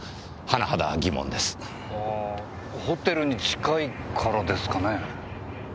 あぁホテルに近いからですかね？